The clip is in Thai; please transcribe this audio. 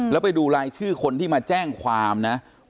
แล้วไปดูรายชื่อคนที่มาแจ้งความนะ